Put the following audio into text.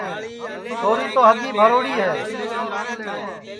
چھوری تو ہگی بھروڑی ہے